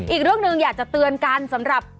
อีกเรื่องหนึ่งอยากจะเตือนกันสำหรับ